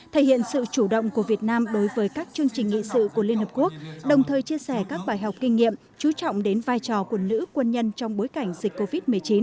thể hiện sự chủ động của việt nam đối với các chương trình nghị sự của liên hợp quốc đồng thời chia sẻ các bài học kinh nghiệm chú trọng đến vai trò của nữ quân nhân trong bối cảnh dịch covid một mươi chín